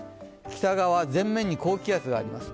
北側前面に高気圧があります。